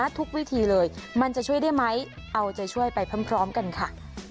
ทุกวิธีเลยมันจะช่วยได้ไหมเอาใจช่วยไปพร้อมกันค่ะ